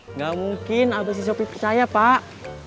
enggak mungkin abahnya sopi percaya pak